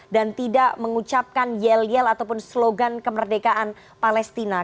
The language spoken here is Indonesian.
dan tidak mengucapkan yel yel ataupun slogan kemerdekaan palestina